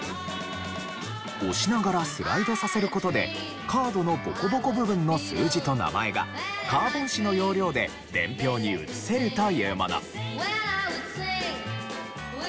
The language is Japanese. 押しながらスライドさせる事でカードのボコボコ部分の数字と名前がカーボン紙の要領で伝票に写せるというもの。